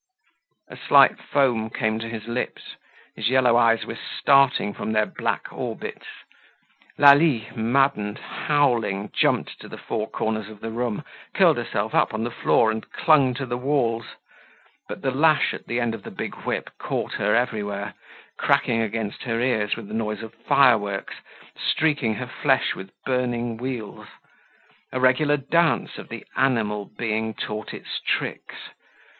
A slight foam came to his lips, his yellow eyes were starting from their black orbits. Lalie, maddened, howling, jumped to the four corners of the room, curled herself up on the floor and clung to the walls; but the lash at the end of the big whip caught her everywhere, cracking against her ears with the noise of fireworks, streaking her flesh with burning weals. A regular dance of the animal being taught its tricks.